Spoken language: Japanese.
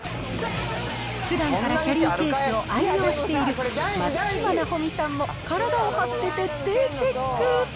ふだんからキャリーケースを愛用している松嶋尚美さんも、体を張って徹底チェック。